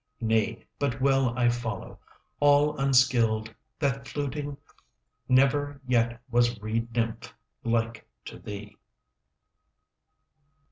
20 Nay, but well I follow, All unskilled, that fluting. Never yet was reed nymph Like to thee.